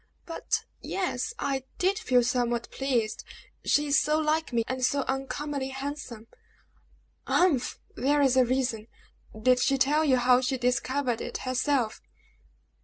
"But ye e s, I did feel somewhat pleased she is so like me, and so uncommonly handsome!" "Humph! there's a reason! Did she tell you how she discovered it herself?"